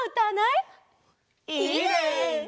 いいね！